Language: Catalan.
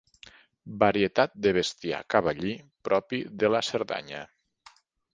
Varietat de bestiar cavallí propi de la Cerdanya.